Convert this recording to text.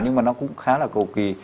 nhưng mà nó cũng khá là cầu kỳ